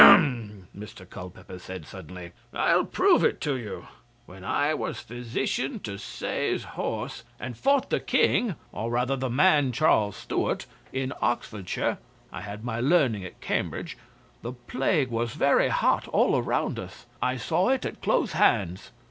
'Ahem!' Mr Culpeper said suddenly. 'I'll prove it to you. When I was physician to Saye's Horse, and fought the King or rather the man Charles Stuart in Oxfordshire (I had my learning at Cambridge), the plague was very hot all around us. I saw it at close hands.